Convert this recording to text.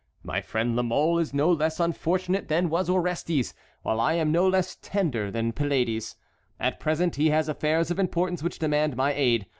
My friend La Mole is no less unfortunate than was Orestes, while I am no less tender than Pylades. At present he has affairs of importance which demand my aid.